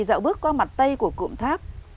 thì dạo bước qua mặt tây của cụm tháp